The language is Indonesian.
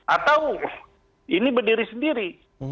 atau ini berdiri sendiri